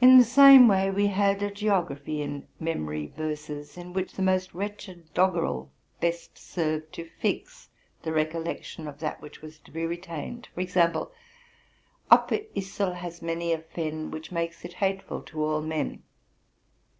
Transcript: In the same way we had a geography in memory verses, in which the most wretched doggerel best served to fix the recollection of that which was to be retained ; e.g.5— '* Upper Yssel has many a fen, Which makes it hateful to all men.